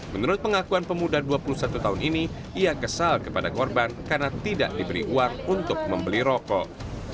menurut pengakuan pemuda dua puluh satu tahun ini ia kesal kepada korban karena tidak diberi uang untuk membeli rokok